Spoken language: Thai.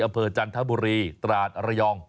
อำเภอจันทบุรีตราสระยอง